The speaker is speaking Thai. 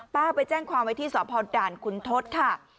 ไปแจ้งความไว้ที่สพด่านคุณทศค่ะ